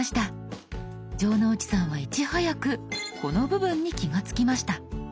城之内さんはいち早くこの部分に気が付きました。